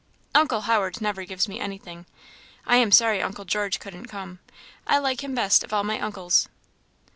Uncle Howard never gives me anything. I am sorry Uncle George couldn't come; I like him the best of all my uncles."